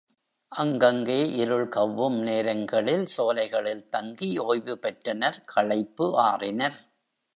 அங்கங்கே இருள் கவ்வும் நேரங்களில் சோலைகளில் தங்கி ஓய்வு பெற்றனர் களைப்பு ஆறினர்.